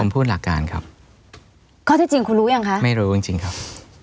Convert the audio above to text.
พูดหลักการครับข้อที่จริงคุณรู้ยังคะไม่รู้จริงจริงครับ